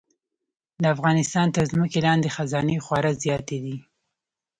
د افغانستان تر ځمکې لاندې خزانې خورا زیاتې دي.